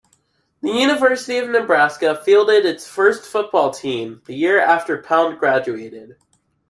The University of Nebraska fielded its first football team the year after Pound graduated.